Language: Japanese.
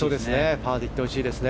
パーでいってほしいですね。